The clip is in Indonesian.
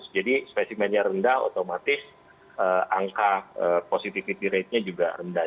jadi spesimennya rendah otomatis angka positivity ratenya juga rendah